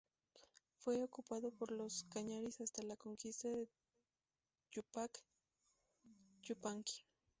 Fue ocupado por los Cañaris hasta la conquista de Túpac Yupanqui.